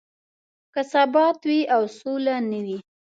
که ثبات وي او سوله نه وي.